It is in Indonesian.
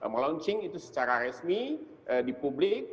melaunching itu secara resmi di publik